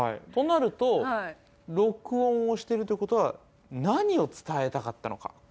となると録音をしてるということは何を伝えたかったのか。